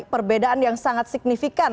perbedaan yang sangat signifikan